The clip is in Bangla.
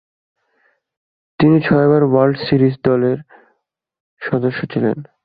তিনি ছয়বার ওয়ার্ল্ড সিরিজ দলের সদস্য ছিলেন।